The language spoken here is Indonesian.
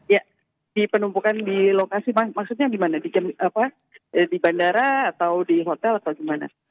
ya di penumpukan di lokasi maksudnya di mana di bandara atau di hotel atau gimana